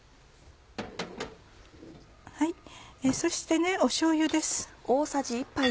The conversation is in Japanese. そしてしょうゆです。